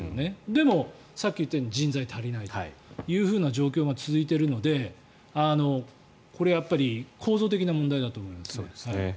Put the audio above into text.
でも、さっき言ったように人材が足りないという状況が続いているのでこれ、やっぱり構造的な問題だと思います。